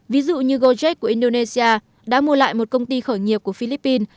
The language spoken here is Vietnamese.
ví dụ như gojek của indonesia đã mua lại một công ty khởi nghiệp của philippines